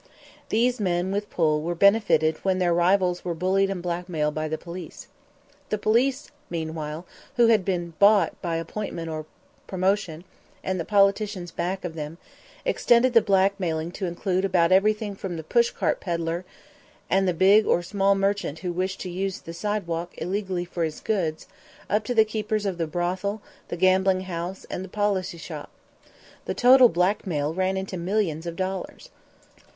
These men with "pull" were benefited when their rivals were bullied and blackmailed by the police. The police, meanwhile, who had bought appointment or promotion, and the politicians back of them, extended the blackmailing to include about everything from the pushcart peddler and the big or small merchant who wished to use the sidewalk illegally for his goods, up to the keepers of the brothel, the gambling house, and the policy shop. The total blackmail ran into millions of dollars.